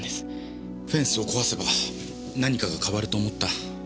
フェンスを壊せば何かが変わると思った？